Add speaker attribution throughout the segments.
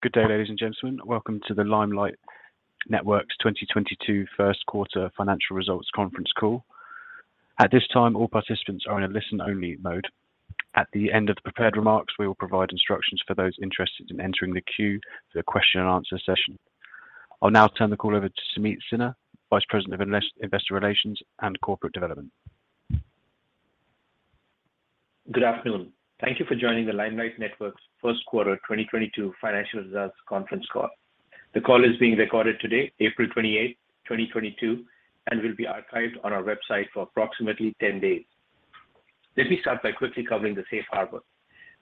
Speaker 1: Good day, ladies and gentlemen. Welcome to the Limelight Networks 2022 Q1 financial results conference call. At this time, all participants are in a listen-only mode. At the end of the prepared remarks, we will provide instructions for those interested in entering the queue for the question and answer session. I'll now turn the call over to Sameet Sinha, Vice President of Investor Relations and Corporate Development.
Speaker 2: Good afternoon. Thank you for joining the Limelight Networks Q1 of 2022 financial results conference call. The call is being recorded today, April 28, 2022, and will be archived on our website for approximately 10 days. Let me start by quickly covering the Safe Harbor.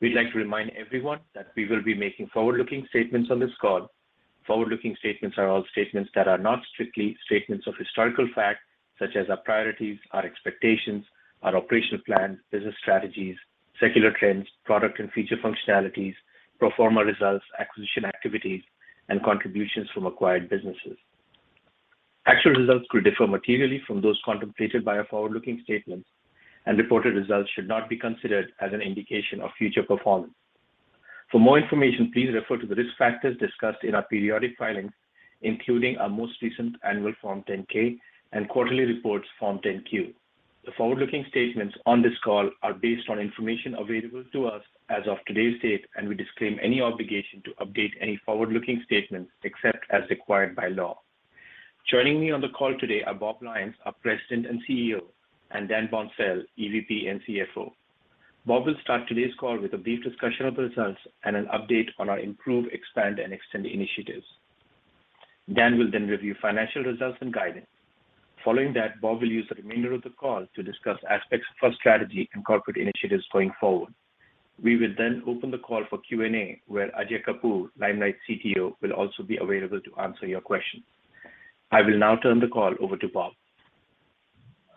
Speaker 2: We'd like to remind everyone that we will be making forward-looking statements on this call. Forward-looking statements are all statements that are not strictly statements of historical fact, such as our priorities, our expectations, our operational plans, business strategies, secular trends, product and feature functionalities, pro forma results, acquisition activities, and contributions from acquired businesses. Actual results could differ materially from those contemplated by our forward-looking statements, and reported results should not be considered as an indication of future performance. For more information, please refer to the risk factors discussed in our periodic filings, including our most recent Annual Form 10-K and quarterly reports Form 10-Q. The forward-looking statements on this call are based on information available to us as of today's date, and we disclaim any obligation to update any forward-looking statements except as required by law. Joining me on the call today are Bob Lyons, our President and CEO, and Dan Boncel, EVP and CFO. Bob will start today's call with a brief discussion of results and an update on our improve, expand, and extend initiatives. Dan will then review financial results and guidance. Following that, Bob will use the remainder of the call to discuss aspects of our strategy and corporate initiatives going forward. We will then open the call for Q&A, where Ajay Kapur, Limelight's CTO, will also be available to answer your questions. I will now turn the call over to Bob.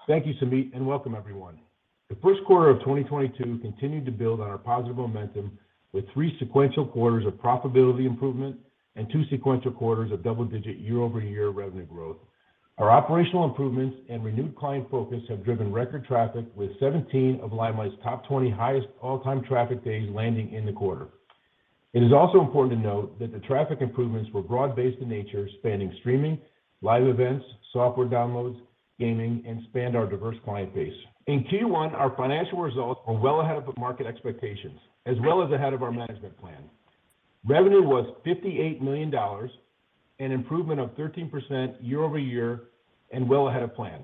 Speaker 3: Thank you, Sumeet, and welcome everyone. The Q1 of 2022 continued to build on our positive momentum with 3 sequential quarters of profitability improvement and 2 sequential quarters of double-digit year-over-year revenue growth. Our operational improvements and renewed client focus have driven record traffic with 17 of Limelight's top 20 highest all-time traffic days landing in the quarter. It is also important to note that the traffic improvements were broad-based in nature, spanning streaming, live events, software downloads, gaming, and spanned our diverse client base. In Q1, our financial results are well ahead of market expectations, as well as ahead of our management plan. Revenue was $58 million, an improvement of 13% year-over-year and well ahead of plan.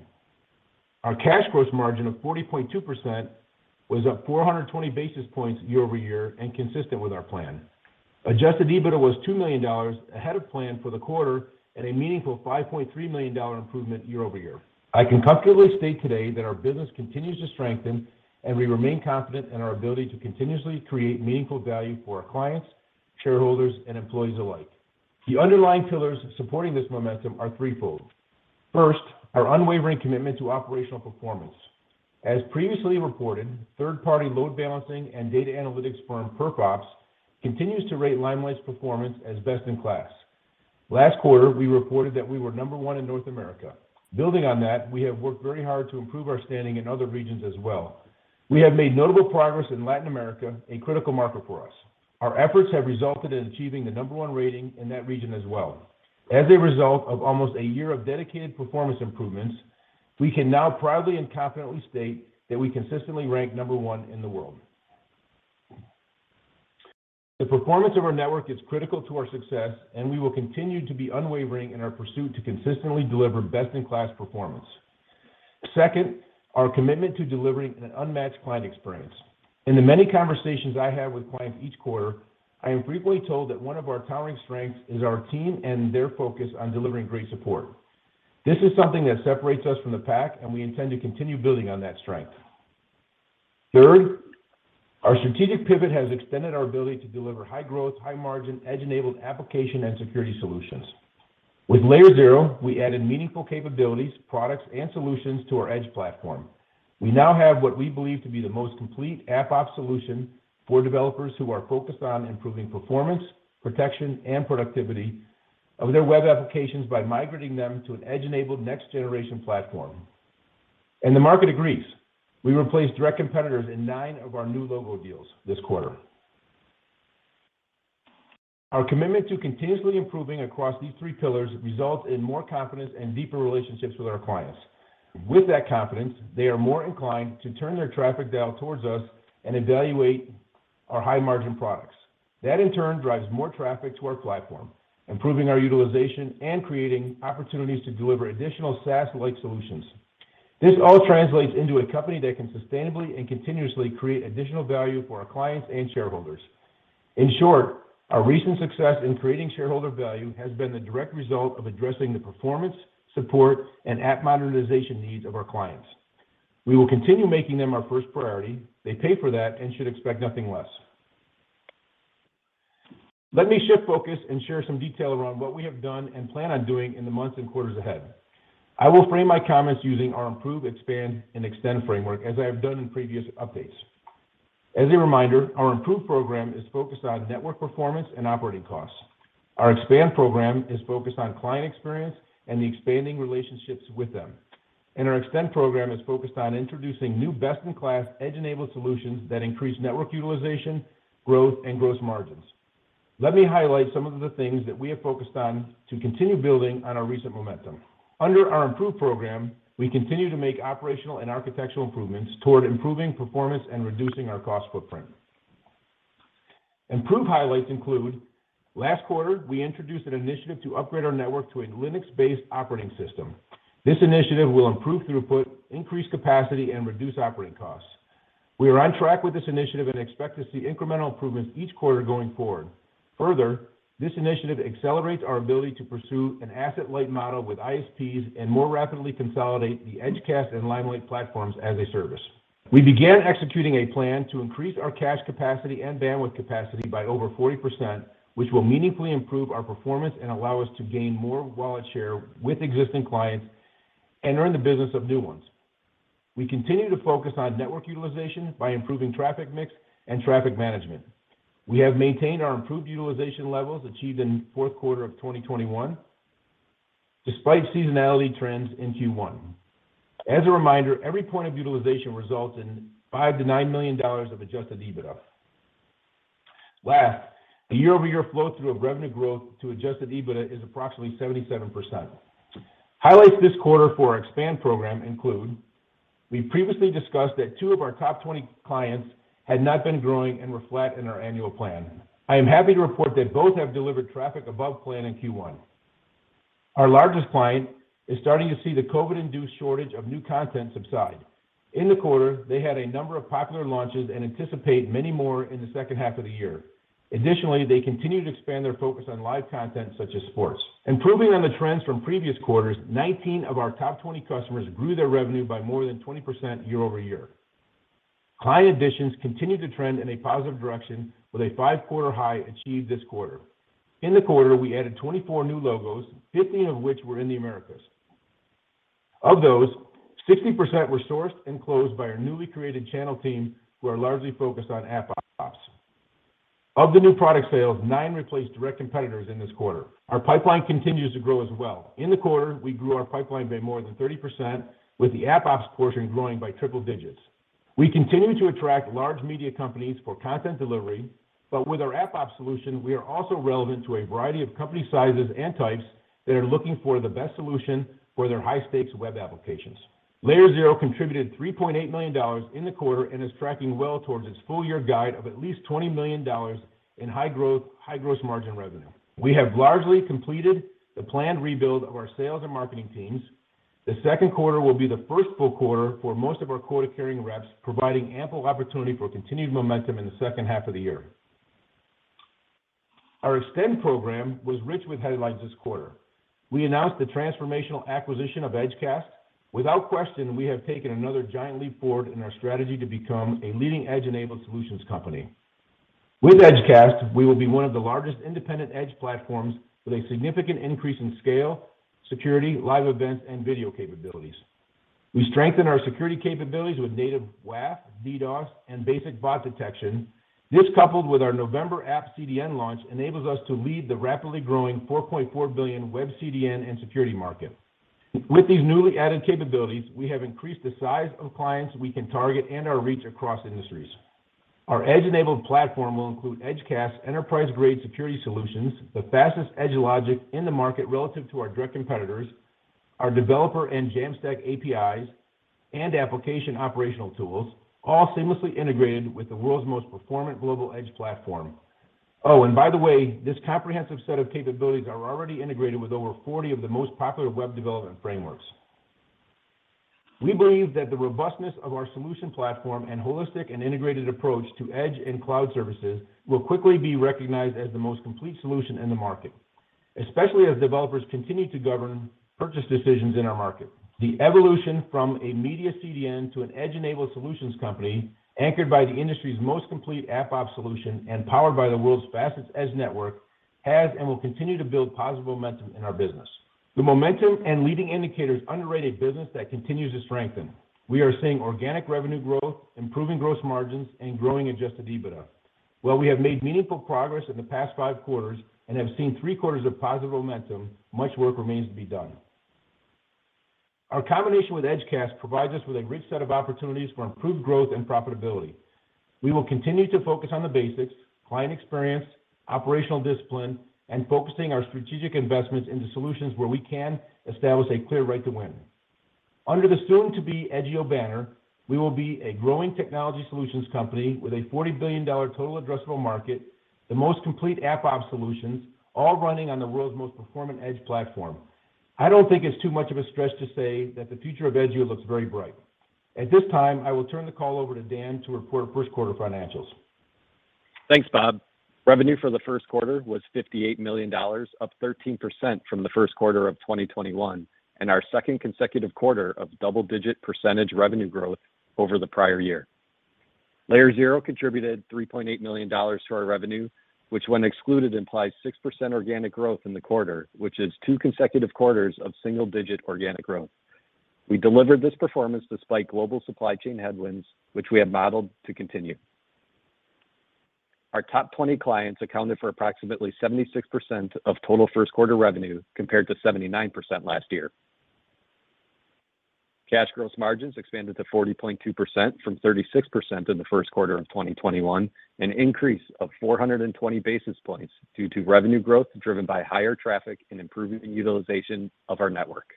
Speaker 3: Our cash cost margin of 40.2% was up 420 basis points year-over-year and consistent with our plan. Adjusted EBITDA was $2 million ahead of plan for the quarter and a meaningful $5.3 million improvement year-over-year. I can comfortably state today that our business continues to strengthen, and we remain confident in our ability to continuously create meaningful value for our clients, shareholders, and employees alike. The underlying pillars supporting this momentum are threefold. 1st, our unwavering commitment to operational performance. As previously reported, 3rd-party load balancing and data analytics firm PerfOps continues to rate Limelight's performance as best in class. Last quarter, we reported that we were number one in North America. Building on that, we have worked very hard to improve our standing in other regions as well. We have made notable progress in Latin America, a critical market for us. Our efforts have resulted in achieving the number one rating in that region as well. As a result of almost a year of dedicated performance improvements, we can now proudly and confidently state that we consistently rank number one in the world. The performance of our network is critical to our success, and we will continue to be unwavering in our pursuit to consistently deliver best-in-class performance. 2nd, our commitment to delivering an unmatched client experience. In the many conversations I have with clients each quarter, I am frequently told that one of our towering strengths is our team and their focus on delivering great support. This is something that separates us from the pack, and we intend to continue building on that strength. 3rd, our strategic pivot has extended our ability to deliver high growth, high margin, edge-enabled application and security solutions. With Layer0, we added meaningful capabilities, products, and solutions to our edge platform. We now have what we believe to be the most complete AppOps solution for developers who are focused on improving performance, protection, and productivity of their web applications by migrating them to an edge-enabled next generation platform. The market agrees. We replaced direct competitors in nine of our new logo deals this quarter. Our commitment to continuously improving across these three pillars results in more confidence and deeper relationships with our clients. With that confidence, they are more inclined to turn their traffic down towards us and evaluate our high margin products. That, in turn, drives more traffic to our platform, improving our utilization and creating opportunities to deliver additional SaaS-like solutions. This all translates into a company that can sustainably and continuously create additional value for our clients and shareholders. In short, our recent success in creating shareholder value has been the direct result of addressing the performance, support, and app modernization needs of our clients. We will continue making them our first priority. They pay for that and should expect nothing less. Let me shift focus and share some detail around what we have done and plan on doing in the months and quarters ahead. I will frame my comments using our improve, expand, and extend framework as I have done in previous updates. As a reminder, our improve program is focused on network performance and operating costs. Our expand program is focused on client experience and the expanding relationships with them. Our extend program is focused on introducing new best-in-class edge-enabled solutions that increase network utilization, growth, and gross margins. Let me highlight some of the things that we have focused on to continue building on our recent momentum. Under our Improve program, we continue to make operational and architectural improvements toward improving performance and reducing our cost footprint. Improve highlights include last quarter we introduced an initiative to upgrade our network to a Linux-based operating system. This initiative will improve throughput, increase capacity, and reduce operating costs. We are on track with this initiative and expect to see incremental improvements each quarter going forward. Further, this initiative accelerates our ability to pursue an asset-light model with ISPs and more rapidly consolidate the Edge cast and Limelight platforms as a service. We began executing a plan to increase our cache capacity and bandwidth capacity by over 40%, which will meaningfully improve our performance and allow us to gain more wallet share with existing clients and earn the business of new ones. We continue to focus on network utilization by improving traffic mix and traffic management. We have maintained our improved utilization levels achieved in Q4 of 2021, despite seasonality trends in Q1. As a reminder, every point of utilization results in $5 million-$9 million of adjusted EBITDA. Last, the year-over-year flow through of revenue growth to adjusted EBITDA is approximately 77%. Highlights this quarter for our Expand program include. We previously discussed that 2 of our top 20 clients had not been growing and were flat in our annual plan. I am happy to report that both have delivered traffic above plan in Q1. Our largest client is starting to see the COVID-induced shortage of new content subside. In the quarter, they had a number of popular launches and anticipate many more in the second half of the year. Additionally, they continue to expand their focus on live content such as sports. Improving on the trends from previous quarters, 19 of our top 20 customers grew their revenue by more than 20% year-over-year. Client additions continued to trend in a positive direction with a 5-quarter high achieved this quarter. In the quarter, we added 24 new logos, 15 of which were in the Americas. Of those, 60% were sourced and closed by our newly created channel team, who are largely focused on AppOps. Of the new product sales, 9 replaced direct competitors in this quarter. Our pipeline continues to grow as well. In the quarter, we grew our pipeline by more than 30%, with the AppOps portion growing by triple digits. We continue to attract large media companies for content delivery, but with our AppOps solution, we are also relevant to a variety of company sizes and types that are looking for the best solution for their high-stakes web applications. Layer0 contributed $3.8 million in the quarter and is tracking well towards its full-year guide of at least $20 million in high growth, high gross margin revenue. We have largely completed the planned rebuild of our sales and marketing teams. The Q2 will be the first full quarter for most of our quota-carrying reps, providing ample opportunity for continued momentum in the second half of the year. Our Extend program was rich with headlines this quarter. We announced the transformational acquisition of Edge cast. Without question, we have taken another giant leap forward in our strategy to become a leading edge-enabled solutions company. With Edge cast, we will be one of the largest independent edge platforms with a significant increase in scale, security, live events, and video capabilities. We strengthen our security capabilities with native WAF, DDoS, and basic bot detection. This, coupled with our November App CDN launch, enables us to lead the rapidly growing $4.4 billion web CDN and security market. With these newly added capabilities, we have increased the size of clients we can target and our reach across industries. Our edge-enabled platform will include Edge cast's enterprise-grade security solutions, the fastest edge logic in the market relative to our direct competitors, our developer and Jamstack APIs, and application operational tools, all seamlessly integrated with the world's most performant global edge platform. Oh, and by the way, this comprehensive set of capabilities are already integrated with over 40 of the most popular web development frameworks. We believe that the robustness of our solution platform and holistic and integrated approach to edge and cloud services will quickly be recognized as the most complete solution in the market, especially as developers continue to govern purchase decisions in our market. The evolution from a media CDN to an edge-enabled solutions company, anchored by the industry's most complete AppOps solution and powered by the world's fastest edge network, has and will continue to build positive momentum in our business. The momentum and leading indicators underpin our business that continues to strengthen. We are seeing organic revenue growth, improving gross margins, and growing adjusted EBITDA. While we have made meaningful progress in the past Q5 and have seen three quarters of positive momentum, much work remains to be done. Our combination with Edgecast provides us with a rich set of opportunities for improved growth and profitability. We will continue to focus on the basics, client experience, operational discipline, and focusing our strategic investments into solutions where we can establish a clear right to win. Under the soon-to-be Edgio banner, we will be a growing technology solutions company with a $40 billion total addressable market, the most complete AppOps solutions, all running on the world's most performant edge platform. I don't think it's too much of a stretch to say that the future of Edgio looks very bright. At this time, I will turn the call over to Dan to report Q1 financials.
Speaker 4: Thanks, Bob. Revenue for the Q1 was $58 million, up 13% from the Q1 of 2021, and our 2nd consecutive quarter of double-digit percentage revenue growth over the prior year. Layer0 contributed $3.8 million to our revenue, which when excluded implies 6% organic growth in the quarter, which is 2 consecutive quarters of single-digit organic growth. We delivered this performance despite global supply chain headwinds, which we have modeled to continue. Our top 20 clients accounted for approximately 76% of total Q1 revenue compared to 79% last year. Cash gross margins expanded to 40.2% from 36% in the Q1 of 2021, an increase of 420 basis points due to revenue growth driven by higher traffic and improving the utilization of our network.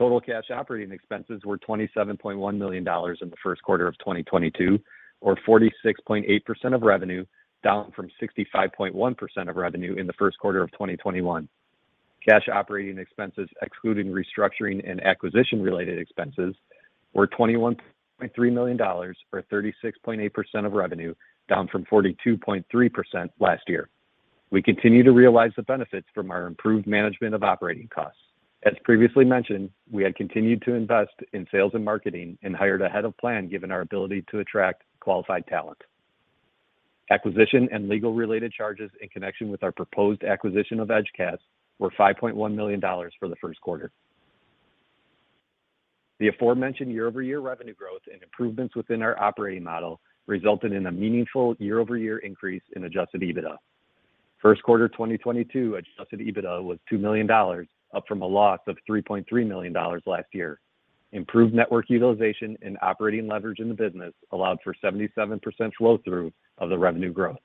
Speaker 4: Total cash operating expenses were $27.1 million in the Q1 of 2022, or 46.8% of revenue, down from 65.1% of revenue in the Q1 of 2021. Cash operating expenses excluding restructuring and acquisition related expenses were $21.3 million or 36.8% of revenue, down from 42.3% last year. We continue to realize the benefits from our improved management of operating costs. As previously mentioned, we had continued to invest in sales and marketing and hired ahead of plan, given our ability to attract qualified talent. Acquisition and legal related charges in connection with our proposed acquisition of Edge cast were $5.1 million for the Q1. The aforementioned year-over-year revenue growth and improvements within our operating model resulted in a meaningful year-over-year increase in adjusted EBITDA. 2022 adjusted EBITDA was $2 million, up from a loss of $3.3 million last year. Improved network utilization and operating leverage in the business allowed for 77% flow through of the revenue growth.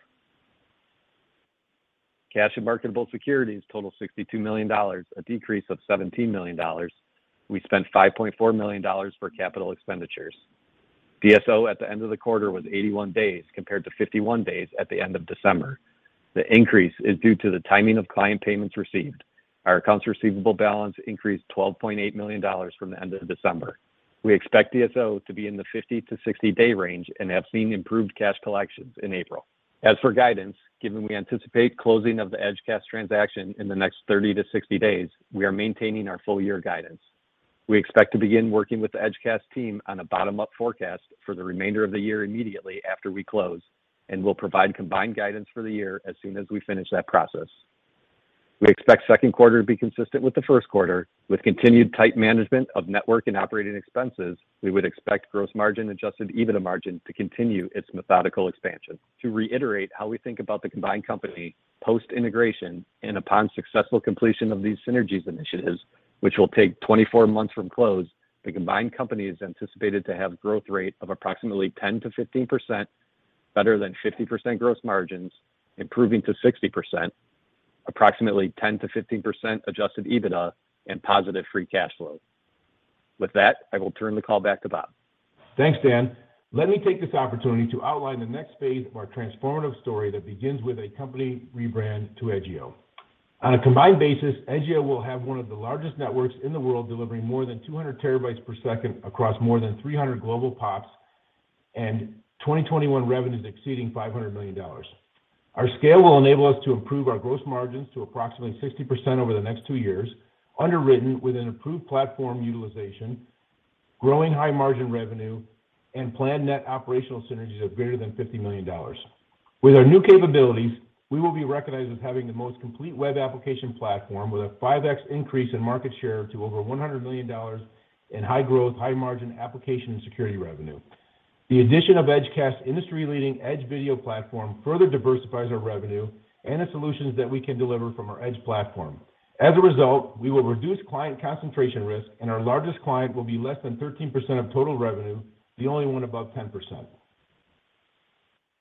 Speaker 4: Cash and marketable securities totaled $62 million, a decrease of $17 million. We spent $5.4 million for capital expenditures. DSO at the end of the quarter was 81 days compared to 51 days at the end of December. The increase is due to the timing of client payments received. Our accounts receivable balance increased $12.8 million from the end of December. We expect DSO to be in the 50- to 60-day range and have seen improved cash collections in April. As for guidance, given we anticipate closing of the Edgecast transaction in the next 30 to 60 days, we are maintaining our full year guidance. We expect to begin working with the Edgecast team on a bottom-up forecast for the remainder of the year, immediately after we close, and will provide combined guidance for the year as soon as we finish that process. We expect Q2 to be consistent with the Q1. With continued tight management of network and operating expenses, we would expect gross margin adjusted EBITDA margin to continue its methodical expansion. To reiterate how we think about the combined company post-integration and upon successful completion of these synergies initiatives, which will take 24 months from close, the combined company is anticipated to have growth rate of approximately 10%15%, better than 50% gross margins, improving to 60%, approximately 10% to 15% adjusted EBITDA and positive free cash flow. With that, I will turn the call back to Bob.
Speaker 3: Thanks, Dan. Let me take this opportunity to outline the next phase of our transformative story that begins with a company rebrand to Edgio. On a combined basis, Edgio will have one of the largest networks in the world, delivering more than 200 terabytes per second across more than 300 global pops and 2021 revenues exceeding $500 million. Our scale will enable us to improve our gross margins to approximately 60% over the next 2 years, underwritten with an improved platform utilization, growing high margin revenue and planned net operational synergies of greater than $50 million. With our new capabilities, we will be recognized as having the most complete web application platform with a 5x increase in market share to over $100 million in high growth, high margin application and security revenue. The addition of Edgecast's industry-leading Edge video platform further diversifies our revenue and the solutions that we can deliver from our Edge platform. As a result, we will reduce client concentration risk, and our largest client will be less than 13% of total revenue, the only one above 10%.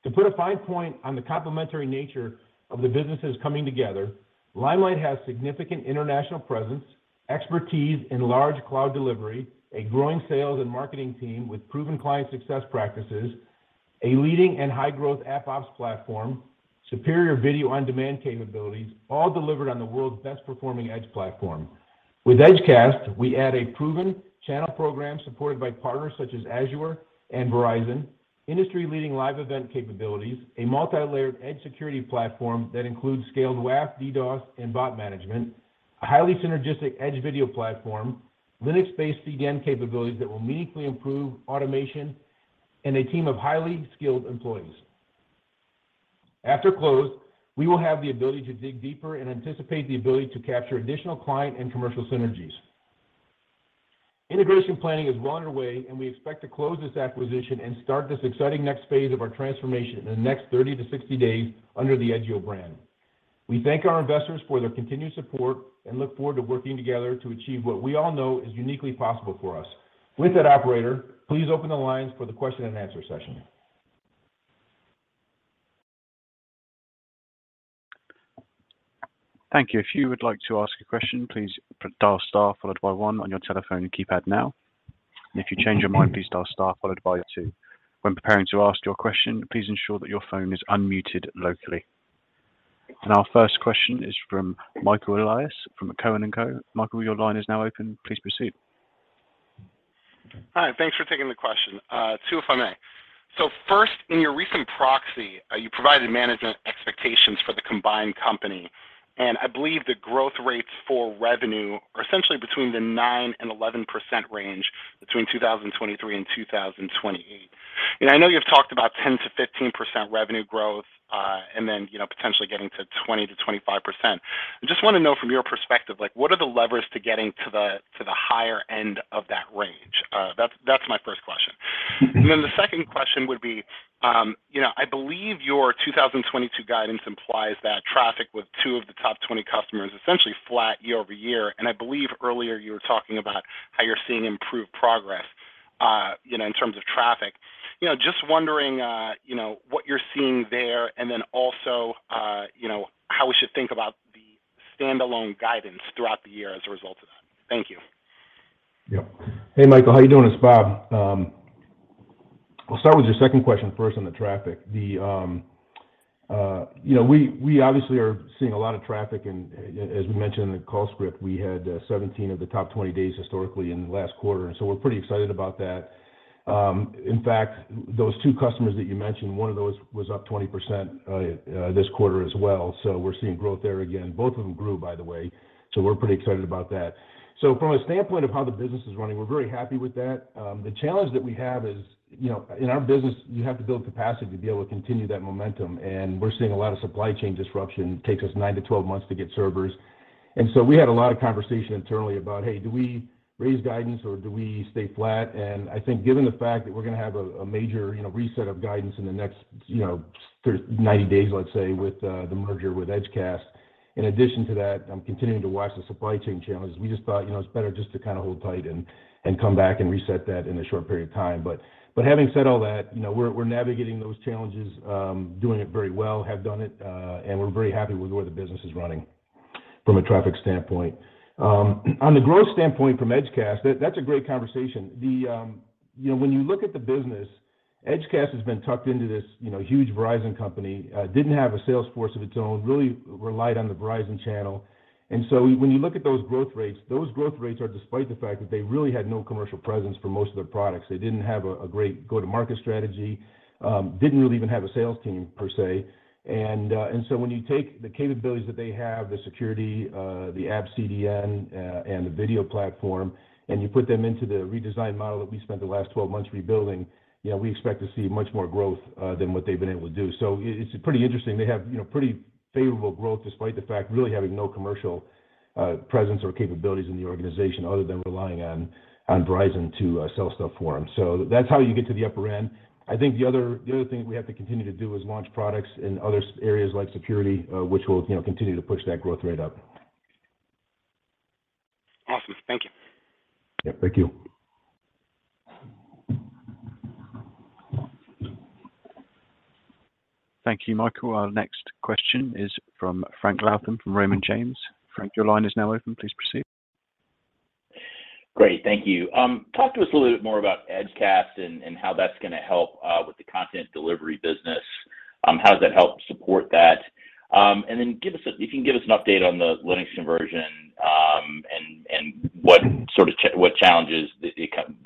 Speaker 3: To put a fine point on the complementary nature of the businesses coming together, Limelight has significant international presence, expertise in large cloud delivery, a growing sales and marketing team with proven client success practices, a leading and high growth AppOps platform, superior video on-demand capabilities, all delivered on the world's best performing Edge platform. With Edgecast, we add a proven channel program supported by partners such as Azure and Verizon, industry-leading live event capabilities, a multilayered edge security platform that includes scaled WAF, DDoS, and bot management, a highly synergistic edge video platform, Linux-based CDN capabilities that will meaningfully improve automation, and a team of highly skilled employees. After close, we will have the ability to dig deeper and anticipate the ability to capture additional client and commercial synergies. Integration planning is well underway, and we expect to close this acquisition and start this exciting next phase of our transformation in the next 30 to 60 days under the Edgio brand. We thank our investors for their continued support and look forward to working together to achieve what we all know is uniquely possible for us. With that, operator, please open the lines for the question and answer session.
Speaker 1: Thank you. If you would like to ask a question, please dial star followed by 1 on your telephone keypad now. If you change your mind, please dial star followed by 2. When preparing to ask your question, please ensure that your phone is unmuted locally. Our first question is from Michael Elias from Cowen & Co. Michael, your line is now open. Please proceed.
Speaker 5: Hi, thanks for taking the question. 2, if I may. So first, in your recent proxy, you provided management expectations for the combined company, and I believe the growth rates for revenue are essentially between 9% and 11% range between 2023 and 2028. I know you've talked about 10%-15% revenue growth, and then, you know, potentially getting to 20% to 25%. I just want to know from your perspective, like, what are the levers to getting to the higher end of that range? That's my 1st question. The 2nd question would be, you know, I believe your 2022 guidance implies that traffic with 2 of the top 20 customers essentially flat year-over-year. I believe earlier you were talking about how you're seeing improved progress, you know, in terms of traffic. You know, just wondering, you know, what you're seeing there, and then also, you know, how we should think about the stand-alone guidance throughout the year as a result of that. Thank you.
Speaker 3: Yep. Hey, Michael, how you doing? It's Bob. I'll start with your 2nd question first on the traffic. You know, we obviously are seeing a lot of traffic and, as we mentioned in the call script, we had 17 of the top 20 days historically in the last quarter, and we're pretty excited about that. In fact, those 2 customers that you mentioned, one of those was up 20% this quarter as well, so we're seeing growth there again. Both of them grew, by the way, so we're pretty excited about that. From a standpoint of how the business is running, we're very happy with that. The challenge that we have is, you know, in our business, you have to build capacity to be able to continue that momentum, and we're seeing a lot of supply chain disruption. Takes us 9 to 12 months to get servers. We had a lot of conversation internally about, "Hey, do we raise guidance or do we stay flat?" I think given the fact that we're going to have a major, you know, reset of guidance in the next, you know, 90 days, let's say, with the merger with Edgecast, in addition to that, I'm continuing to watch the supply chain challenges. We just thought, you know, it's better just to kind of hold tight and come back and reset that in a short period of time. Having said all that, we're navigating those challenges, doing it very well, have done it, and we're very happy with the way the business is running from a traffic standpoint. On the growth standpoint from Edgecast, that's a great conversation. When you look at the business, Edgecast has been tucked into this huge Verizon company, didn't have a sales force of its own, really relied on the Verizon channel. When you look at those growth rates, those growth rates are despite the fact that they really had no commercial presence for most of their products. They didn't have a great go-to-market strategy, didn't really even have a sales team, per se. When you take the capabilities that they have, the security, the AppCDN, and the video platform, and you put them into the redesigned model that we spent the last 12 months rebuilding, you know, we expect to see much more growth than what they've been able to do. It's pretty interesting. They have, you know, pretty favorable growth despite the fact really having no commercial presence or capabilities in the organization other than relying on Verizon to sell stuff for them. That's how you get to the upper end. I think the other thing we have to continue to do is launch products in other areas like security, which will, you know, continue to push that growth rate up.
Speaker 5: Awesome. Thank you.
Speaker 3: Yeah. Thank you.
Speaker 1: Thank you, Michael. Our next question is from Frank Louthan from Raymond James. Frank, your line is now open. Please proceed.
Speaker 6: Great. Thank you. Talk to us a little bit more about Edgecast and how that's going to help with the content delivery business. How does that help support that? If you can give us an update on the Linux conversion, and what sort of challenges the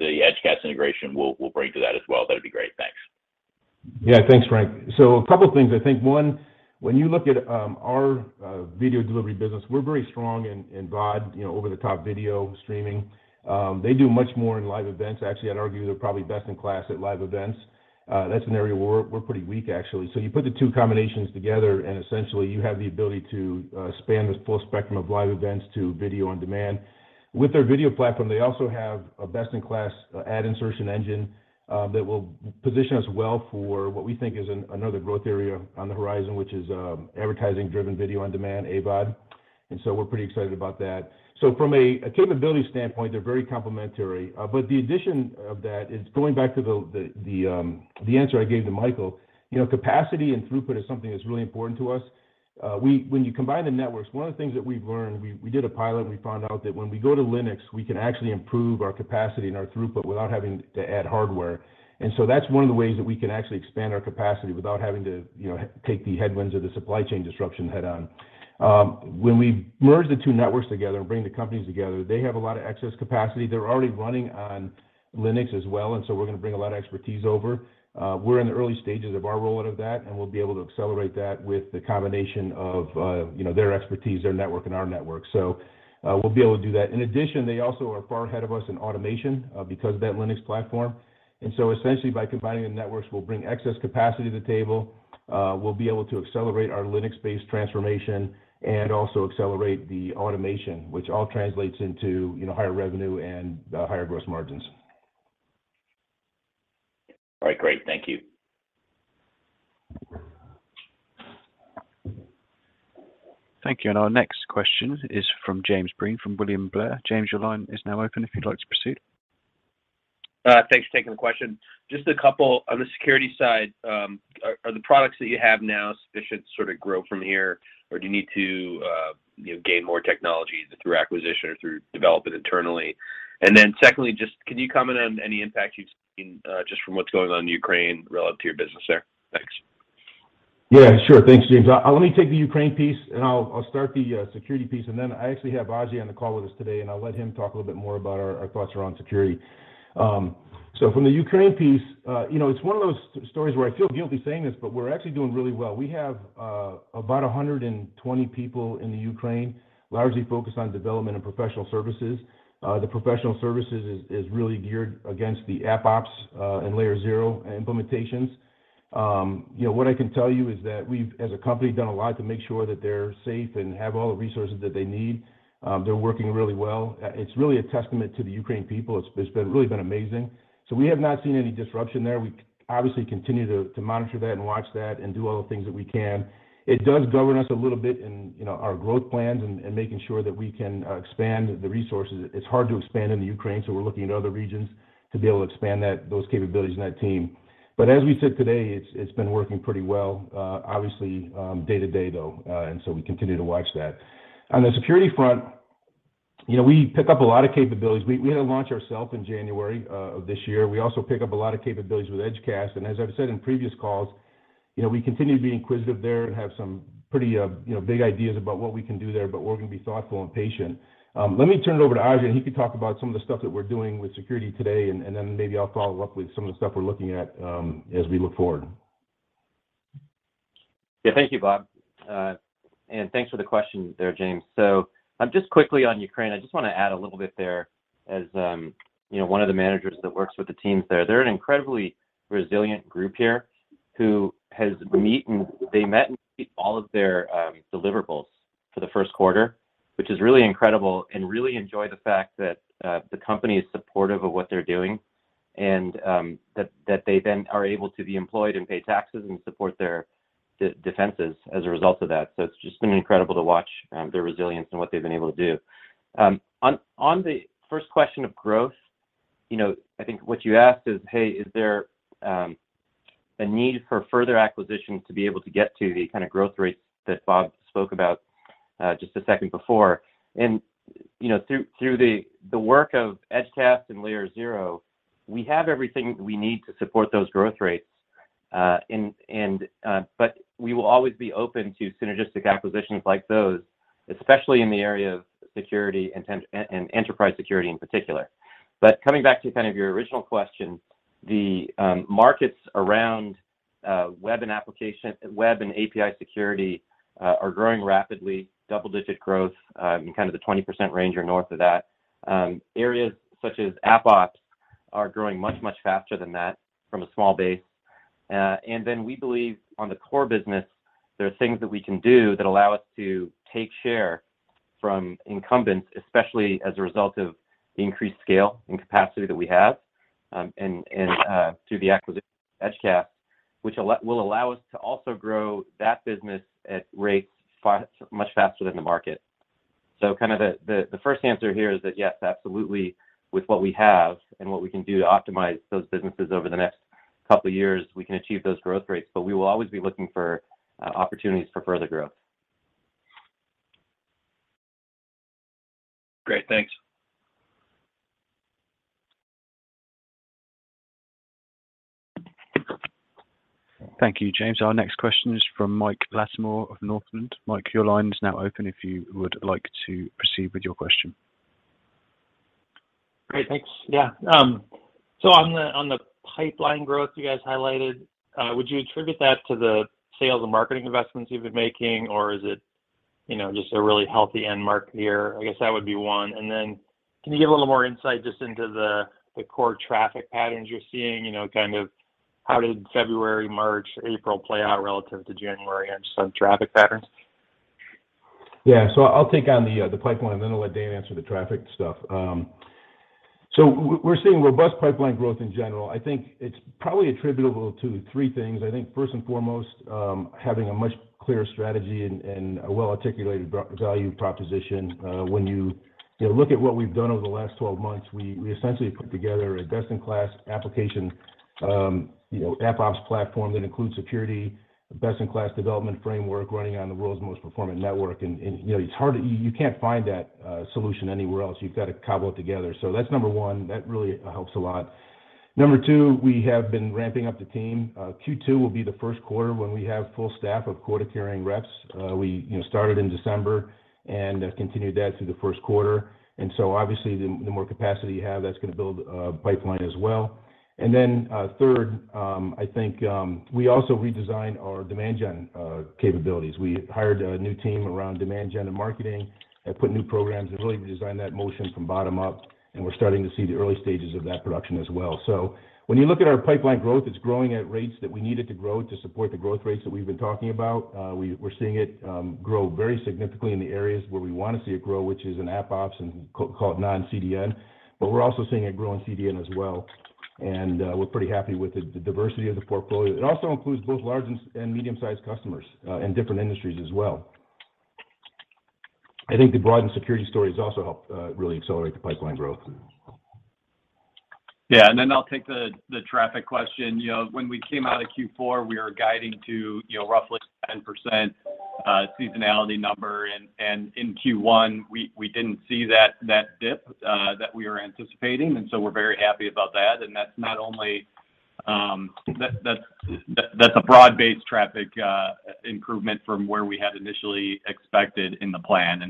Speaker 6: Edgecast integration will bring to that as well, that'd be great. Thanks.
Speaker 3: Yeah. Thanks, Frank. A couple things. I think, one, when you look at our video delivery business, we're very strong in VOD, you know, over-the-top video streaming. They do much more in live events. Actually, I'd argue they're probably best in class at live events. That's an area we're pretty weak, actually. You put the 2 combinations together, and essentially you have the ability to span the full spectrum of live events to video on demand. With their video platform, they also have a best-in-class ad insertion engine that will position us well for what we think is another growth area on the horizon, which is advertising-driven video on demand, AVOD. We're pretty excited about that. From a capability standpoint, they're very complementary. The addition of that is going back to the answer I gave to Michael. You know, capacity and throughput is something that's really important to us. When you combine the networks, one of the things that we've learned, we did a pilot and we found out that when we go to Linux, we can actually improve our capacity and our throughput without having to add hardware. That's one of the ways that we can actually expand our capacity without having to, you know, take the headwinds or the supply chain disruption head on. When we merge the two networks together and bring the companies together, they have a lot of excess capacity. They're already running on Linux as well, and so we're going to bring a lot of expertise over. We're in the early stages of our rollout of that, and we'll be able to accelerate that with the combination of, you know, their expertise, their network, and our network. We'll be able to do that. In addition, they also are far ahead of us in automation, because of that Linux platform. Essentially by combining the networks, we'll bring excess capacity to the table. We'll be able to accelerate our Linux-based transformation and also accelerate the automation, which all translates into, you know, higher revenue and, higher gross margins.
Speaker 6: All right, great. Thank you.
Speaker 1: Thank you. Our next question is from James Breen from William Blair. James, your line is now open if you'd like to proceed.
Speaker 7: Thanks for taking the question. Just a couple. On the security side, are the products that you have now sufficient to sort of grow from here, or do you need to, you know, gain more technology through acquisition or through developing internally? Then secondly, just can you comment on any impact you've seen, just from what's going on in Ukraine relevant to your business there? Thanks.
Speaker 3: Yeah, sure. Thanks, James. Let me take the Ukraine piece, and I'll start the security piece, and then I actually have Ajay on the call with us today, and I'll let him talk a little bit more about our thoughts around security. So from the Ukraine piece, you know, it's one of those stories where I feel guilty saying this, but we're actually doing really well. We have about 120 people in the Ukraine, largely focused on development and professional services. The professional services is really geared against the AppOps and Layer0 implementations. You know, what I can tell you is that we've, as a company, done a lot to make sure that they're safe and have all the resources that they need. They're working really well. It's really a testament to the Ukrainian people. It's been really amazing. We have not seen any disruption there. We obviously continue to monitor that and watch that and do all the things that we can. It does govern us a little bit in you know, our growth plans and making sure that we can expand the resources. It's hard to expand in Ukraine, so we're looking at other regions to be able to expand those capabilities and that team. As we sit today, it's been working pretty well. Obviously, day-to-day though, we continue to watch that. On the security front, you know, we picked up a lot of capabilities. We had a launch ourselves in January of this year. We also picked up a lot of capabilities with Edgecast. As I've said in previous calls, you know, we continue to be inquisitive there and have some pretty, you know, big ideas about what we can do there, but we're going to be thoughtful and patient. Let me turn it over to Ajay Kapur, and he can talk about some of the stuff that we're doing with security today, and then maybe I'll follow up with some of the stuff we're looking at, as we look forward.
Speaker 8: Yeah. Thank you, Bob. And thanks for the question there, James. Just quickly on Ukraine, I just want to add a little bit there as you know, one of the managers that works with the teams there. They met and beat all of their deliverables for the Q1, which is really incredible and really enjoy the fact that the company is supportive of what they're doing and that they then are able to be employed and pay taxes and support their defenses as a result of that. It's just been incredible to watch their resilience and what they've been able to do. On the 1st question of growth, you know, I think what you asked is, "Hey, is there a need for further acquisitions to be able to get to the kind of growth rates that Bob spoke about just a second before?" You know, through the work of Edgecast and Layer0, we have everything we need to support those growth rates. But we will always be open to synergistic acquisitions like those, especially in the area of security and enterprise security in particular. Coming back to your original question, the markets around web and application, web and API security are growing rapidly, double-digit growth, in the 20% range or north of that. Areas such as AppOps are growing much faster than that from a small base. We believe on the core business, there are things that we can do that allow us to take share from incumbents, especially as a result of the increased scale and capacity that we have, and through the acquisition of Edgecast, which will allow us to also grow that business at rates much faster than the market. The 1st answer here is that yes, absolutely, with what we have and what we can do to optimize those businesses over the next couple years, we can achieve those growth rates. We will always be looking for opportunities for further growth.
Speaker 7: Great. Thanks.
Speaker 1: Thank you, James. Our next question is from Mike Latimore of Northland. Mike, your line is now open if you would like to proceed with your question.
Speaker 9: Great. Thanks. Yeah. So on the pipeline growth you guys highlighted, would you attribute that to the sales and marketing investments you've been making, or is it, you know, just a really healthy end market year? I guess that would be one. Can you give a little more insight just into the core traffic patterns you're seeing, you know, kind of how did February, March, April play out relative to January in terms of traffic patterns?
Speaker 3: Yeah. I'll take on the pipeline, and then I'll let Dane answer the traffic stuff. We're seeing robust pipeline growth in general. I think it's probably attributable to three things. I think first and foremost, having a much clearer strategy and a well-articulated value proposition. When you know, look at what we've done over the last 12 months, we essentially put together a best-in-class application, you know, AppOps platform that includes security, best-in-class development framework running on the world's most performant network. You know, it's hard to. You can't find that solution anywhere else. You've got to cobble it together. That's number one. That really helps a lot. Number 2, we have been ramping up the team. Q2 will be the Q1 when we have full staff of quota-carrying reps. We, you know, started in December and have continued that through the Q1. Obviously, the more capacity you have, that's going to build a pipeline as well. 3rd, I think, we also redesigned our demand gen capabilities. We hired a new team around demand gen and marketing and put new programs and really redesigned that motion from bottom up, and we're starting to see the early stages of that production as well. When you look at our pipeline growth, it's growing at rates that we need it to grow to support the growth rates that we've been talking about. We're seeing it grow very significantly in the areas where we want to see it grow, which is in AppOps and called non-CDN, but we're also seeing it grow in CDN as well. We're pretty happy with the diversity of the portfolio. It also includes both large and medium-sized customers, and different industries as well. I think the broadened security story has also helped really accelerate the pipeline growth.
Speaker 8: Yeah. Then I'll take the traffic question. You know, when we came out of Q4, we were guiding to, you know, roughly 10% seasonality number. In Q1, we didn't see that dip that we were anticipating, and so we're very happy about that. That's a broad-based traffic improvement from where we had initially expected in the plan.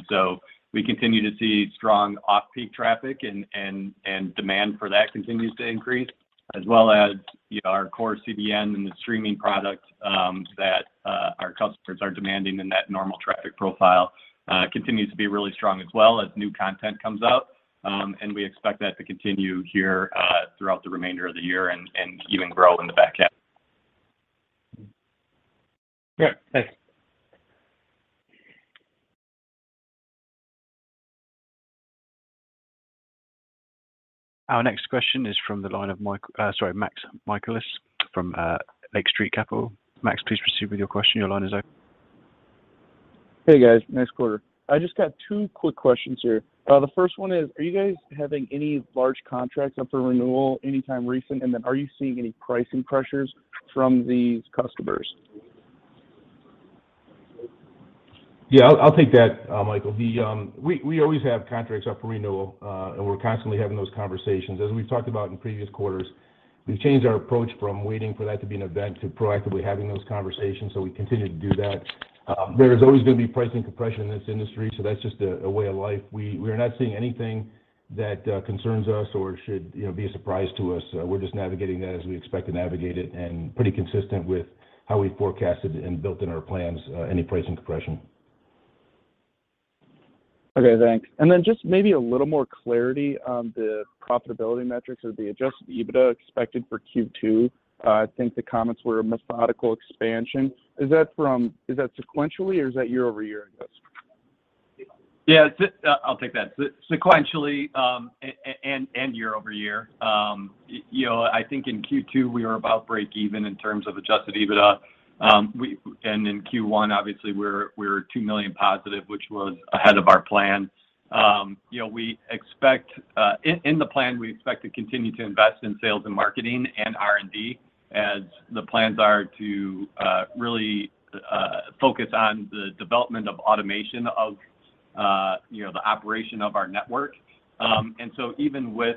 Speaker 8: We continue to see strong off-peak traffic and demand for that continues to increase as well as, you know, our core CDN and the streaming product that. There's our demand and that normal traffic profile continues to be really strong as well as new content comes up. We expect that to continue here throughout the remainder of the year and even grow in the back half.
Speaker 3: Yeah. Thanks.
Speaker 1: Our next question is from the line of Max Michaelis from Lake Street Capital Markets. Max, please proceed with your question. Your line is open.
Speaker 10: Hey, guys. Nice quarter. I just got 2 quick questions here. The 1st one is, are you guys having any large contracts up for renewal anytime recently? Are you seeing any pricing pressures from these customers?
Speaker 3: Yeah. I'll take that, Michael. We always have contracts up for renewal, and we're constantly having those conversations. As we've talked about in previous quarters, we've changed our approach from waiting for that to be an event to proactively having those conversations, so we continue to do that. There is always going to be pricing compression in this industry, so that's just a way of life. We are not seeing anything that concerns us or should, you know, be a surprise to us. We're just navigating that as we expect to navigate it and pretty consistent with how we forecasted and built in our plans, any pricing compression.
Speaker 10: Okay. Thanks. Just maybe a little more clarity on the profitability metrics or the adjusted EBITDA expected for Q2. I think the comments were a methodical expansion. Is that sequentially or is that year-over-year, I guess?
Speaker 4: Yeah. It's, I'll take that. Sequentially, and year-over-year. You know, I think in Q2, we are about breakeven in terms of adjusted EBITDA. In Q1, obviously, we're $2 million positive, which was ahead of our plan. You know, we expect in the plan, we expect to continue to invest in sales and marketing and R&D as the plans are to really focus on the development of automation of you know, the operation of our network. Even with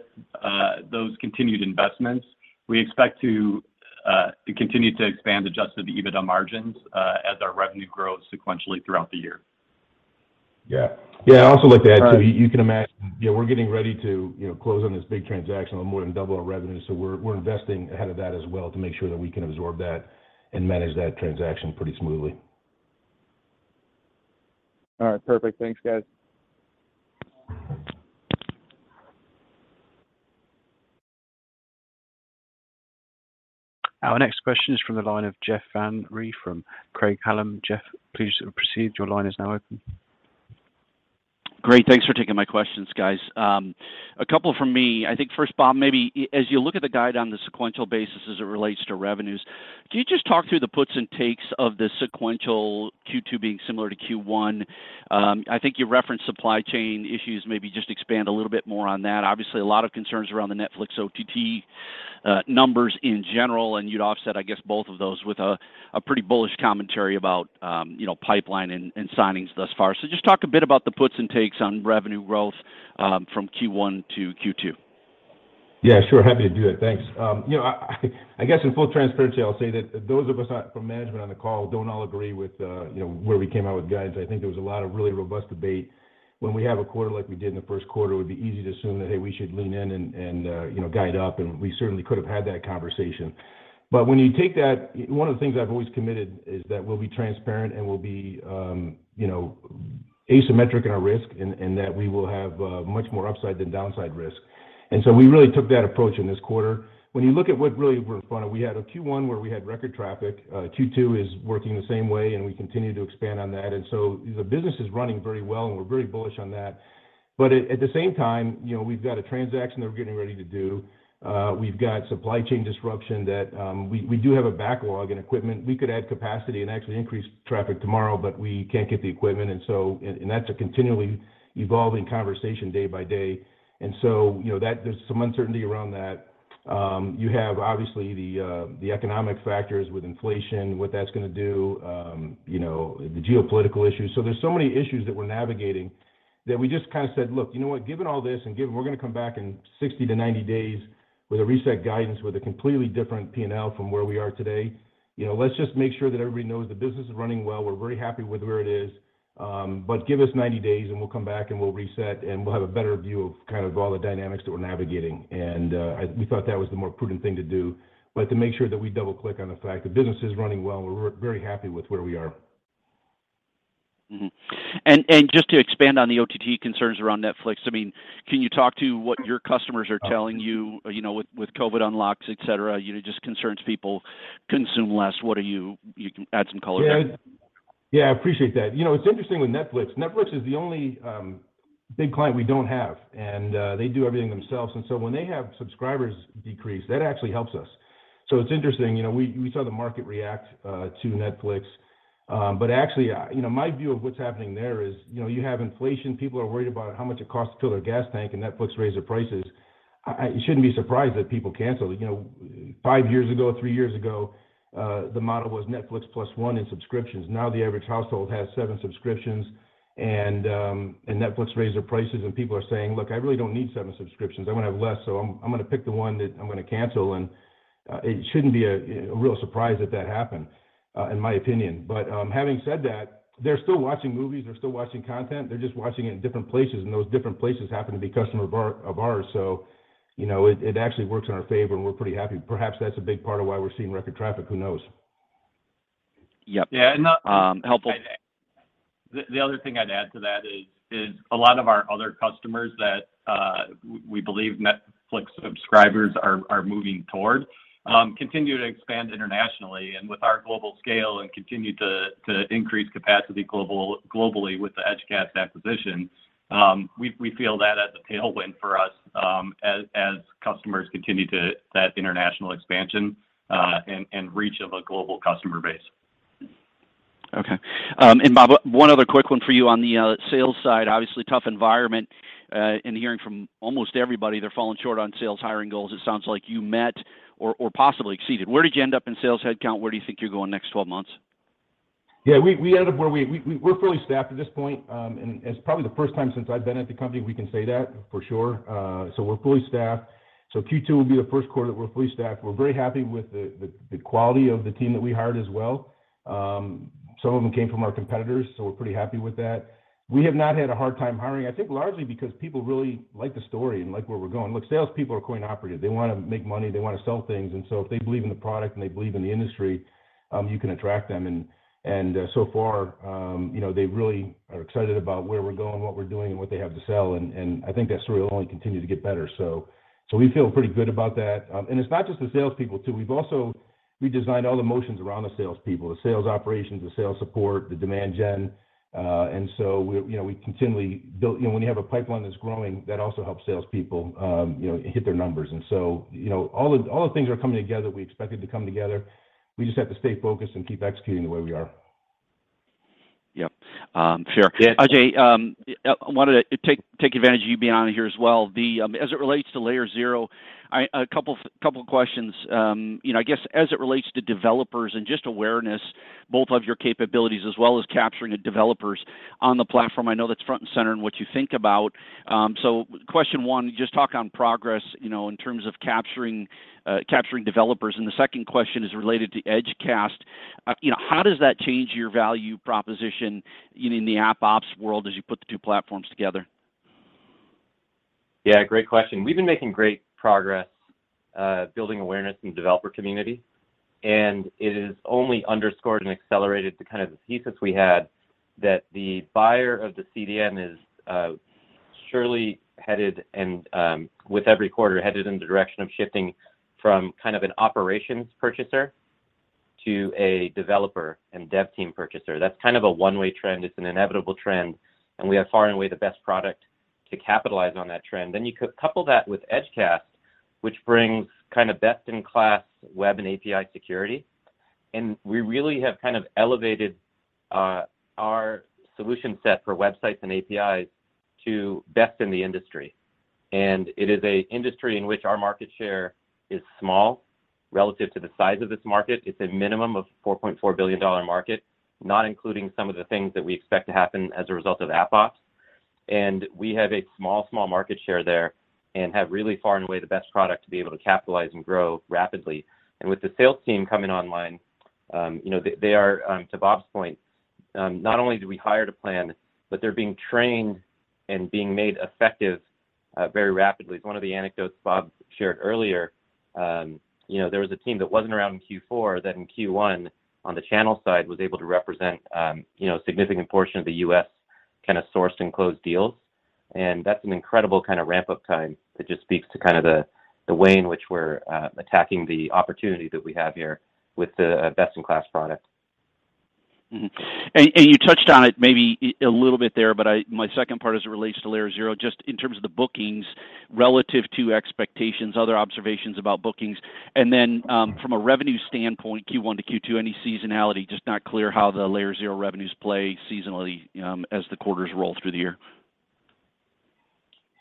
Speaker 4: those continued investments, we expect to continue to expand adjusted EBITDA margins as our revenue grows sequentially throughout the year.
Speaker 3: Yeah. I'd also like to add, too.
Speaker 10: All right.
Speaker 3: You can imagine, you know, we're getting ready to, you know, close on this big transaction with more than double our revenue, so we're investing ahead of that as well to make sure that we can absorb that and manage that transaction pretty smoothly.
Speaker 10: All right. Perfect. Thanks, guys.
Speaker 1: Our next question is from the line of Jeff Van Rhee from Craig-Hallum. Jeff, please proceed. Your line is now open.
Speaker 11: Great. Thanks for taking my questions, guys. A couple from me. I think 1st, Bob, maybe as you look at the guide on the sequential basis as it relates to revenues, can you just talk through the puts and takes of the sequential Q2 being similar to Q1? I think you referenced supply chain issues, maybe just expand a little bit more on that. Obviously, a lot of concerns around the Netflix OTT numbers in general, and you'd offset, I guess, both of those with a pretty bullish commentary about, you know, pipeline and signings thus far. Just talk a bit about the puts and takes on revenue growth from Q1 to Q2.
Speaker 3: Yeah, sure. Happy to do that. Thanks. You know, I guess in full transparency, I'll say that those of us from management on the call don't all agree with, you know, where we came out with guides. I think there was a lot of really robust debate. When we have a quarter like we did in the Q1, it would be easy to assume that, hey, we should lean in and, you know, guide up, and we certainly could have had that conversation. When you take that, one of the things I've always committed is that we'll be transparent and we'll be, you know, asymmetric in our risk and that we will have much more upside than downside risk. We really took that approach in this quarter. When you look at what really we're fond of, we had a Q1 where we had record traffic. Q2 is working the same way, and we continue to expand on that. The business is running very well, and we're very bullish on that. But at the same time, you know, we've got a transaction that we're getting ready to do. We've got supply chain disruption that we do have a backlog in equipment. We could add capacity and actually increase traffic tomorrow, but we can't get the equipment. And that's a continually evolving conversation day by day. You know, there's some uncertainty around that. You have obviously the economic factors with inflation, what that's going to do, you know, the geopolitical issues. There's so many issues that we're navigating that we just kind said, "Look, you know what? Given all this and given we're going to come back in 60 to 90 days with a reset guidance with a completely different P&L from where we are today, you know, let's just make sure that everybody knows the business is running well. We're very happy with where it is. But give us 90 days, and we'll come back, and we'll reset, and we'll have a better view of kind of all the dynamics that we're navigating. " We thought that was the more prudent thing to do. To make sure that we double-click on the fact, the business is running well. We're very happy with where we are.
Speaker 11: Just to expand on the OTT concerns around Netflix, I mean, can you talk to what your customers are telling you know, with COVID unlocks, et cetera? You know, just concerns people consume less. You can add some color there.
Speaker 3: Yeah. Yeah, I appreciate that. You know, it's interesting with Netflix. Netflix is the only big client we don't have, and they do everything themselves. When they have subscribers decrease, that actually helps us. It's interesting. You know, we saw the market react to Netflix. Actually, you know, my view of what's happening there is, you know, you have inflation. People are worried about how much it costs to fill their gas tank, and Netflix raised their prices. I shouldn't be surprised that people cancel. You know, 5 years ago, 3 years ago, the model was Netflix plus one in subscriptions. Now, the average household has 7 subscriptions and Netflix raised their prices and people are saying, "Look, I really don't need seven subscriptions. I want to have less, so I'm going to pick the 1 that I'm going to cancel." It shouldn't be a real surprise that that happened, in my opinion. Having said that, they're still watching movies, they're still watching content. They're just watching it in different places, and those different places happen to be customers of ours. You know, it actually works in our favor, and we're pretty happy. Perhaps that's a big part of why we're seeing record traffic. Who knows?
Speaker 11: Yep.
Speaker 8: Yeah.
Speaker 11: Helpful.
Speaker 8: The other thing I'd add to that is a lot of our other customers that we believe Netflix subscribers are moving toward continue to expand internationally. With our global scale and continue to increase capacity globally with the Edgecast acquisition, we feel that as a tailwind for us, as customers continue to that international expansion, and reach of a global customer base.
Speaker 11: Okay. Bob, one other quick one for you on the sales side. Obviously, tough environment, and hearing from almost everybody they're falling short on sales hiring goals. It sounds like you met or possibly exceeded. Where did you end up in sales headcount? Where do you think you're going next 12 months?
Speaker 3: We're fully staffed at this point. It's probably the first time since I've been at the company we can say that, for sure. We're fully staffed. Q2 will be the Q1 that we're fully staffed. We're very happy with the quality of the team that we hired as well. Some of them came from our competitors, so we're pretty happy with that. We have not had a hard time hiring, I think largely because people really like the story and like where we're going. Look, salespeople are quite optimistic. They want to make money, they want to sell things, and so if they believe in the product and they believe in the industry, you can attract them. So far, you know, they really are excited about where we're going, what we're doing, and what they have to sell. I think that story will only continue to get better. We feel pretty good about that. It's not just the sales people too. We've also redesigned all the motions around the sales people, the sales operations, the sales support, the demand gen. You know, we continually build. You know, when you have a pipeline that's growing, that also helps sales people, you know, hit their numbers. You know, all the things are coming together we expected to come together. We just have to stay focused and keep executing the way we are.
Speaker 11: Yep. Sure.
Speaker 8: Yeah.
Speaker 11: Ajay, I wanted to take advantage of you being on here as well. As it relates to Layer0, a couple questions. You know, I guess as it relates to developers and just awareness, both of your capabilities as well as capturing the developers on the platform, I know that's front and center in what you think about. So question 1, just talk on progress, you know, in terms of capturing developers. The 2nd question is related to Edgecast. You know, how does that change your value proposition in the AppOps world as you put the 2 platforms together?
Speaker 8: Yeah, great question. We've been making great progress building awareness in the developer community, and it has only underscored and accelerated the kind of thesis we had that the buyer of the CDN is surely headed, with every quarter, in the direction of shifting from kind of an operations purchaser to a developer and dev team purchaser. That's kind of a one-way trend. It's an inevitable trend, and we have far and away the best product to capitalize on that trend. Then you could couple that with Edgecast, which brings kind of best-in-class web and API security, and we really have kind of elevated our solution set for websites and APIs to best in the industry. It is an industry in which our market share is small relative to the size of this market. It's a minimum of $4.4 billion market, not including some of the things that we expect to happen as a result of AppOps. We have a small market share there and have really far and away the best product to be able to capitalize and grow rapidly. With the sales team coming online, you know, they are, to Bob's point, not only did we hire to plan, but they're being trained and being made effective, very rapidly. One of the anecdotes Bob shared earlier, you know, there was a team that wasn't around in Q4 that in Q1, on the channel side, was able to represent, you know, a significant portion of the U.S. kind of sourced and closed deals. That's an incredible kind of ramp-up time that just speaks to kind of the way in which we're attacking the opportunity that we have here with the best-in-class product.
Speaker 11: You touched on it maybe a little bit there, but my second part as it relates to Layer0, just in terms of the bookings relative to expectations, other observations about bookings. Then, from a revenue standpoint, Q1 to Q2, any seasonality? Just not clear how the Layer0 revenues play seasonally, as the quarters roll through the year.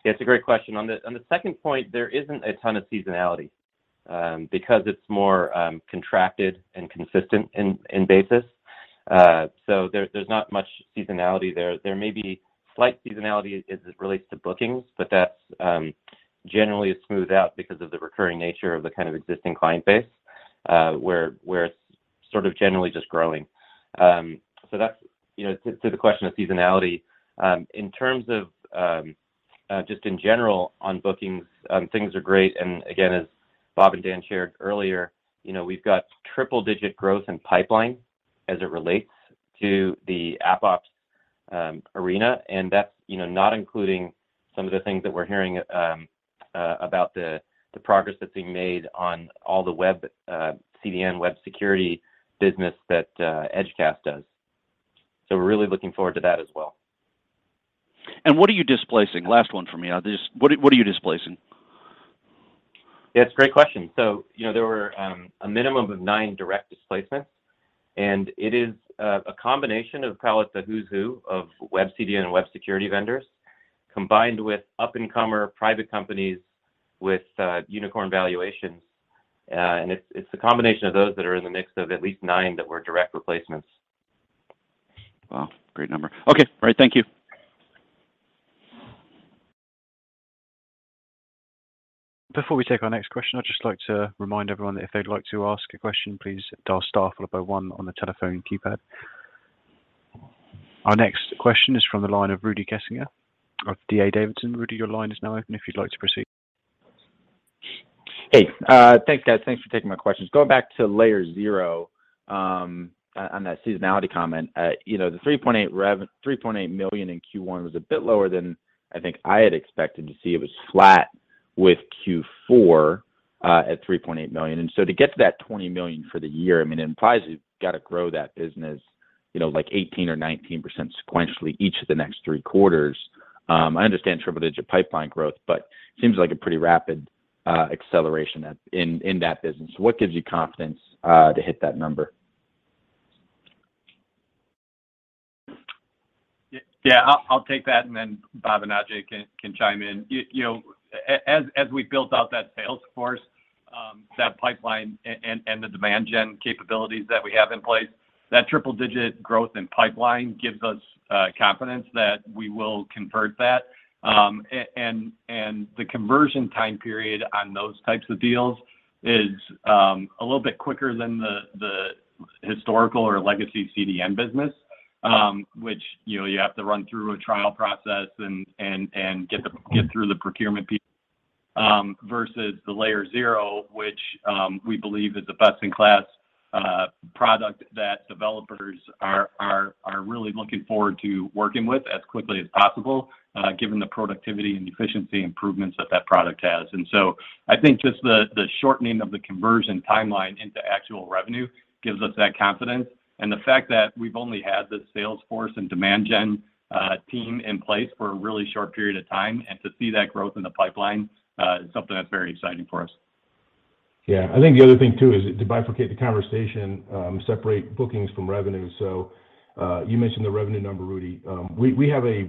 Speaker 8: It's a great question. On the second point, there isn't a ton of seasonality, because it's more contracted and consistent in basis. There's not much seasonality there. There may be slight seasonality as it relates to bookings, but that's generally smoothed out because of the recurring nature of the kind of existing client base, where it's sort of generally just growing. That's, you know, to the question of seasonality. In terms of just in general on bookings, things are great. again, as Bob and Dan shared earlier, you know, we've got triple digit growth in pipeline as it relates to the AppOps arena, and that's, you know, not including some of the things that we're hearing about the progress that's being made on all the web CDN web security business that Edgecast does. We're really looking forward to that as well.
Speaker 11: What are you displacing? Last one from me. What are you displacing?
Speaker 8: Yeah, it's a great question. You know, there were a minimum of 9 direct displacements, and it is a combination of probably the who's who of web CDN and web security vendors, combined with up-and-comer private companies with unicorn valuations. It's a combination of those that are in the mix of at least nine that were direct replacements.
Speaker 11: Wow. Great number. Okay. All right. Thank you.
Speaker 3: Before we take our next question, I'd just like to remind everyone that if they'd like to ask a question, please dial star followed by 1 on the telephone keypad.
Speaker 1: Our next question is from the line of Rudy Kessinger of D.A. Davidson. Rudy, your line is now open if you'd like to proceed.
Speaker 12: Hey, thanks guys. Thanks for taking my questions. Going back to Layer0, on that seasonality comment, you know, the $3.8 million in Q1 was a bit lower than I think I had expected to see. It was flat with Q4 at $3.8 million. To get to that $20 million for the year, I mean, it implies you've got to grow that business, you know, like 18% or 19% sequentially each of the next Q3. I understand triple-digit pipeline growth, but seems like a pretty rapid acceleration in that business. What gives you confidence to hit that number?
Speaker 4: Yeah, I'll take that, and then Bob and Ajay can chime in. You know, as we built out that sales force, that pipeline and the demand gen capabilities that we have in place, that triple-digit growth in pipeline gives us confidence that we will convert that. The conversion time period on those types of deals is a little bit quicker than the historical or legacy CDN business, which, you know, you have to run through a trial process and get through the procurement versus the Layer0, which we believe is a best-in-class product that developers are really looking forward to working with as quickly as possible, given the productivity and efficiency improvements that that product has. I think just the shortening of the conversion timeline into actual revenue gives us that confidence. The fact that we've only had this sales force and demand gen team in place for a really short period of time, and to see that growth in the pipeline, is something that's very exciting for us.
Speaker 3: Yeah. I think the other thing too is to bifurcate the conversation, separate bookings from revenue. You mentioned the revenue number, Rudy. We have a,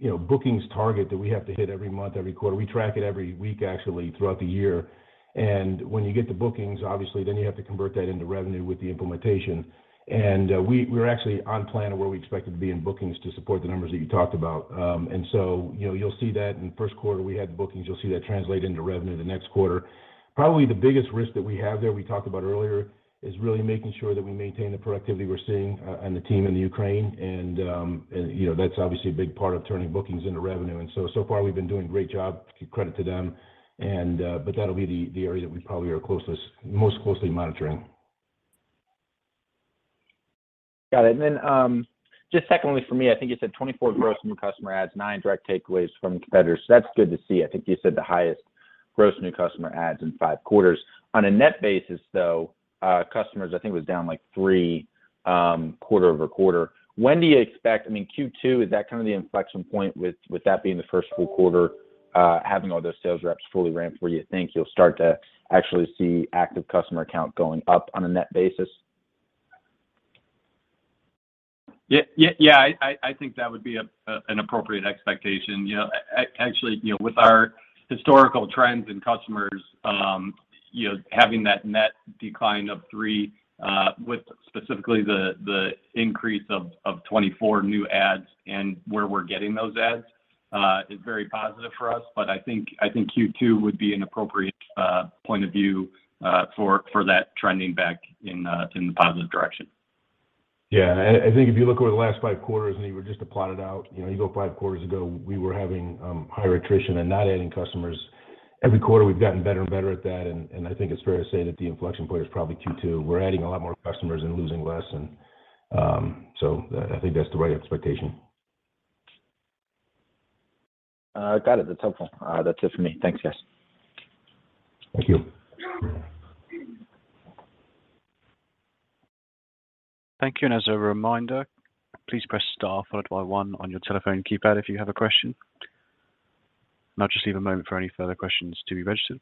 Speaker 3: you know, bookings target that we have to hit every month, every quarter. We track it every week, actually, throughout the year. When you get the bookings, obviously, then you have to convert that into revenue with the implementation. We're actually on plan of where we expected to be in bookings to support the numbers that you talked about. You know, you'll see that in the Q1, we had the bookings. You'll see that translate into revenue the next quarter. Probably the biggest risk that we have there, we talked about earlier, is really making sure that we maintain the productivity we're seeing on the team in Ukraine. You know, that's obviously a big part of turning bookings into revenue. So far, we've been doing a great job, credit to them. That'll be the area that we probably are most closely monitoring.
Speaker 12: Got it. Then, just secondly for me, I think you said 24 gross new customer adds, 9 direct takeaways from competitors. That's good to see. I think you said the highest gross new customer adds in five quarters. On a net basis, though, customers, I think, was down, like, three, quarter-over-quarter. When do you expect? I mean, Q2 is that kind of the inflection point with that being the first full quarter having all those sales reps fully ramped, where you think you'll start to actually see active customer count going up on a net basis?
Speaker 4: Yeah, I think that would be an appropriate expectation. You know, actually, you know, with our historical trends in customers, you know, having that net decline of three, with specifically the increase of 24 new adds and where we're getting those adds, is very positive for us. I think Q2 would be an appropriate point of view for that trending back in the positive direction.
Speaker 3: Yeah. I think if you look over the last Q5, and you were just to plot it out, you know, you go 5 quarters ago, we were having higher attrition and not adding customers. Every quarter, we've gotten better and better at that, and I think it's fair to say that the inflection point is probably Q2. We're adding a lot more customers and losing less. I think that's the right expectation.
Speaker 12: Got it. That's helpful. That's it for me. Thanks, guys.
Speaker 3: Thank you.
Speaker 1: Thank you. As a reminder, please press star followed by one on your telephone keypad if you have a question. I'll just leave a moment for any further questions to be registered.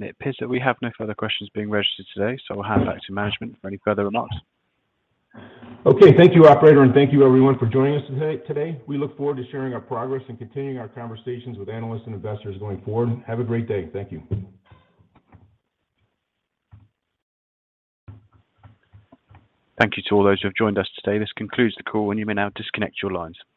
Speaker 1: It appears that we have no further questions being registered today, so I'll hand it back to management for any further remarks.
Speaker 3: Okay. Thank you, operator, and thank you everyone for joining us today. We look forward to sharing our progress and continuing our conversations with analysts and investors going forward. Have a great day. Thank you.
Speaker 1: Thank you to all those who have joined us today. This concludes the call, and you may now disconnect your lines.
Speaker 3: Thank you.